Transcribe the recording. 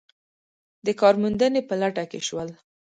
د کار موندنې په لټه کې شول.